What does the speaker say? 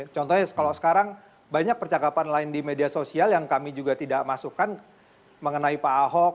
contohnya kalau sekarang banyak percakapan lain di media sosial yang kami juga tidak masukkan mengenai pak ahok